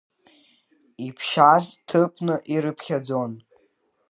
Иԥшьаз ҭыԥны ирыԥхьаӡон.